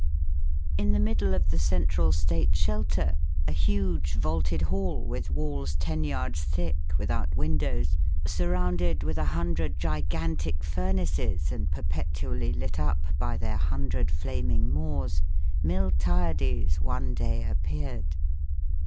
In the middle of the central state shelter, a huge vaulted hall with walls ten yards thick, without windows, surrounded with a hundred gigantic furnaces, and perpetually lit up by their hundred flaming maws, Miltiades one day appeared.